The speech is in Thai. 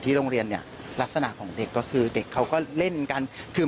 โรงเรียนเนี่ยลักษณะของเด็กก็คือเด็กเขาก็เล่นกันคือ